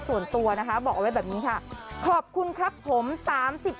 ส่วนตัวนะคะบอกเอาไว้แบบนี้ค่ะขอบคุณครับผม